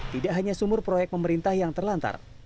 tidak hanya sumur proyek pemerintah yang terlantar